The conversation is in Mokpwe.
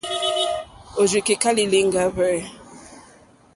Òrzì kèká lìlìŋɡá hwɛ̂.